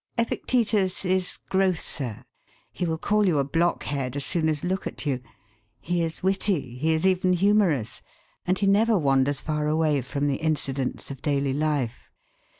Epictetus is grosser; he will call you a blockhead as soon as look at you; he is witty, he is even humorous, and he never wanders far away from the incidents of daily life.